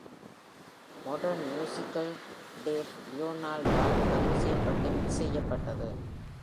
Modern மியூசிக்கில் Dave லியோனார்டால் பதிவுசெய்யப்பட்டு மிக்ஸ் செய்யப்பட்டது.